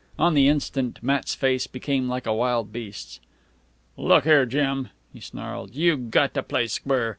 On the instant Matt's face became like a wild beast's. "Look here, Jim," he snarled. "You've got to play square.